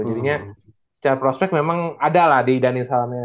jadinya secara prospek memang ada lah di daniel salamena